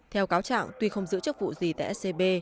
theo cáo trạng tuy không giữ chức vụ gì tại scb